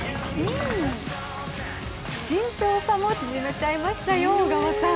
身長差も縮めちゃいましたよ、小川さん。